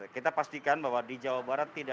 kita pastikan bahwa di jawa barat